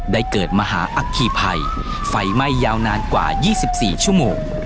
ได้เกิดมหาอัคคีภัยไฟไหม้ยาวนานกว่า๒๔ชั่วโมง